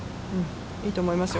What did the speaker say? いいと思いますよ。